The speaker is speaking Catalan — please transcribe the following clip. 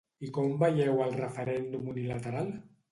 I com veieu el referèndum unilateral?